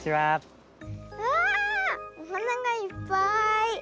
わあおはながいっぱい。